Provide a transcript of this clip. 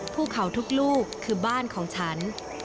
ภูเขาทุกลูกคือบ้านของฉัน